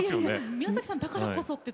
宮崎さんだからこそ。